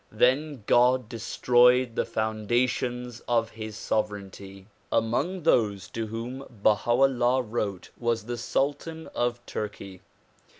Then God destroyed the foundations of his sovereignty. Among those to whom Baiia 'Ullah wrote was the sultan of Turkey.